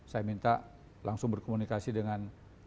saya minta langsung berkomunikasi dengan